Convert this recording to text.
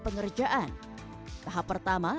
pengerjaan tahap pertama